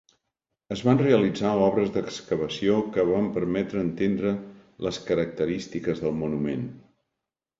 Es van realitzar obres d'excavació que van permetre entendre les característiques del monument.